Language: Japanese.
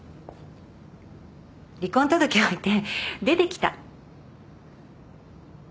離婚届置いて出てきた。